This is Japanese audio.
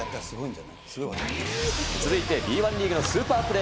続いてＢ１リーグのスーパープレー。